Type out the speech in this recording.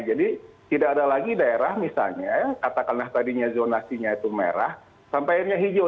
jadi tidak ada lagi daerah misalnya katakanlah tadinya zonasinya itu merah sampainya hijau